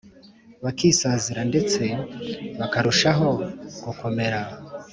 bakisāzira ndetse bakarushaho gukomera’